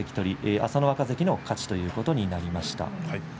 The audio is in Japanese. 朝乃若関の勝ちということになりました。